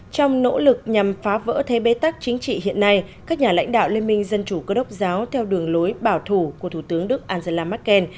trong nỗ lực nhằm phá vỡ thế bê tắc chính trị hiện nay các nhà lãnh đạo liên minh dân chủ cơ đốc giáo theo đường lối bảo thủ của thủ tướng đức angela merkel